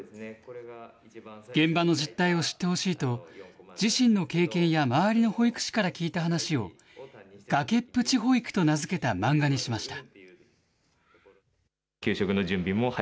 現場の実態を知ってほしいと、自身の経験や周りの保育士から聞いた話を、崖っぷち保育と名付けた漫画にしました。